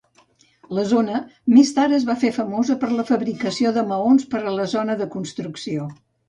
La zona més tard es va fer famosa per la fabricació de maons per a la zona de construcció.